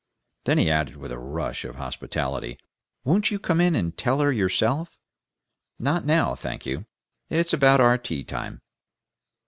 Then he added, with a rush of hospitality, "Won't you come in and tell her yourself?" "Not now, thank you. It's about our tea time."